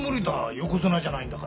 横綱じゃないんだから。